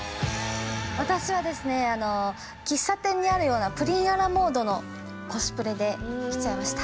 私はですねあの喫茶店にあるようなプリン・ア・ラ・モードのコスプレで来ちゃいました。